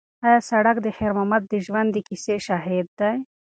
دا سړک د خیر محمد د ژوند د کیسې شاهد دی.